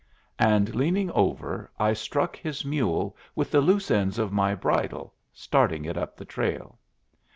And, leaning over, I struck his mule with the loose ends of my bridle, starting it up the trail.